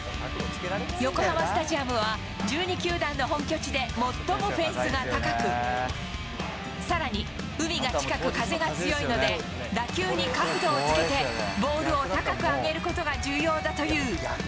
横浜スタジアムは、１２球団の本拠地で最もフェンスが高く、さらに、海が近く風が強いので、打球に角度をつけて、ボールを高く上げることが重要だという。